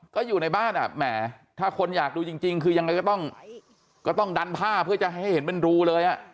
ก็อยู่ในบ้านอ่ะแหมถ้าคนอยากดูจริงคือยังไงก็ต้องก็ต้องดันผ้าเพื่อจะให้เห็นเป็นรูเลย